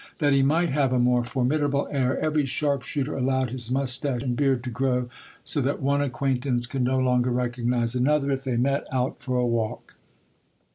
That he might have a more formidable air, every sharp shooter allowed his moustache and beard to grow, so that one acquaintance could no longer recognize another if they met, out for a walk.